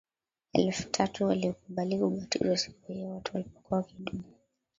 Elfu tatu waliokubali kubatizwa siku hiyo Watu walipokuwa wakidumu